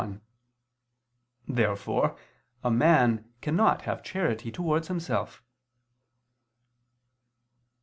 Therefore a man cannot have charity towards himself.